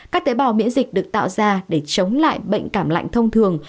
các tế bào miễn dịch được tạo ra để chống lại bệnh cảm lạnh thông thường